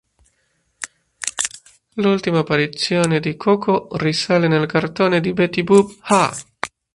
L'ultima apparizione di Koko risale nel cartone di Betty Boop "Ha!